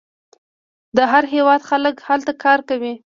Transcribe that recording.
د هر هیواد خلک هلته کار کوي.